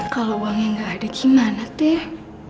kalau uangnya nggak ada gimana teh